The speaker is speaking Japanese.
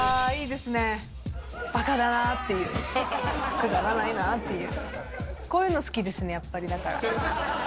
くだらないなぁっていう。